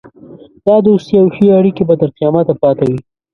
دا دوستي او ښې اړېکې به تر قیامته پاته وي.